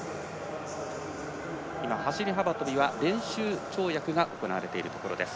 走り幅跳びは練習跳躍が行われているところです。